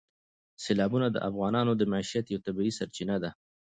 سیلابونه د افغانانو د معیشت یوه طبیعي سرچینه ده.